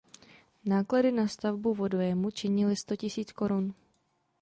Náklady na stavbu vodojemu činily sto tisíc korun.